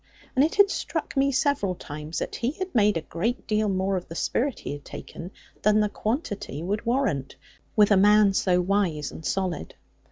And it had struck me, several times, that he had made a great deal more of the spirit he had taken than the quantity would warrant, with a man so wise and solid.